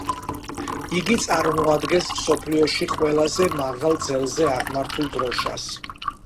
იგი წარმოადგენს მსოფლიოში ყველაზე მაღალ ძელზე აღმართულ დროშას.